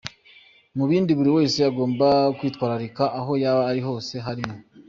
Mu bindi buri wese agomba kwitwararika aho yaba ari hose, harimo:.